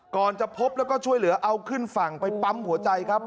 จะพบแล้วก็ช่วยเหลือเอาขึ้นฝั่งไปปั๊มหัวใจครับ